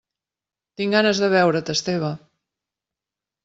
Tinc ganes de veure't, Esteve.